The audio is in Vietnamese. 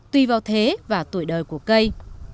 tuy vào thế và tuổi đời của cây